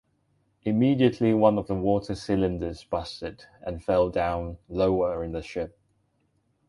Immediately one of the water cylinders busted and fell down lower in the ship.